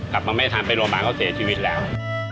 กลับมาไม่ทันไปโรงพยาบาลเขาเสียชีวิตแล้ว